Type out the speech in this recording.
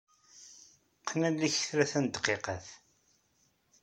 Qqen allen-ik tlata n dqiqat.